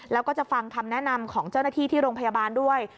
แล้วก็จะฟังคำแนะนำของเจ้าหน้าที่ที่โรงพยาบาลด้วย